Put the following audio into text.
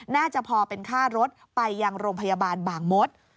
น่าจะพอเป็นค่ารถไปยังโรงพยาบาลบางมศ